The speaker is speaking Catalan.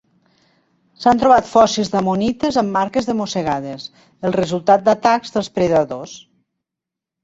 S'han trobat fòssils d'ammonites amb marques de mossegades, el resultat d'atacs dels predadors.